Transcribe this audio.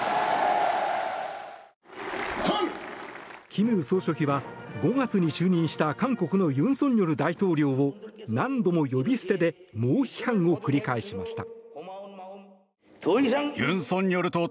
金総書記は、５月に就任した韓国の尹錫悦大統領を何度も呼び捨てで猛批判を繰り返しました。